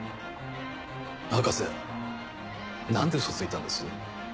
博士何でウソついたんです？